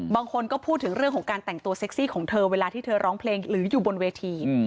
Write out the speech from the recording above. บางคนก็พูดถึงเรื่องของการแต่งตัวเซ็กซี่ของเธอเวลาที่เธอร้องเพลงหรืออยู่บนเวที